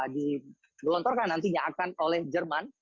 digelontorkan nantinya akan oleh jerman